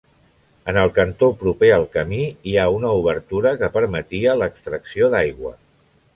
En el cantó proper al camí hi ha una obertura que permetia l'extracció d'aigua.